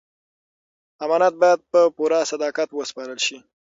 امانت باید په پوره صداقت وسپارل شي.